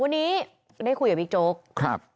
วันนี้ได้คุยกับพี่โจ๊ก